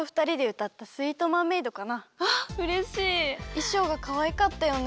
いしょうがかわいかったよね。